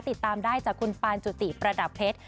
ติดตามได้จากคุณปานจุติประดับเพชร